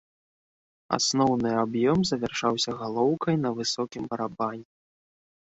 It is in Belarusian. Асноўны аб'ём завяршаўся галоўкай на высокім барабане.